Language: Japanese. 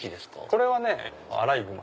これはアライグマ。